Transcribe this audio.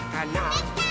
できたー！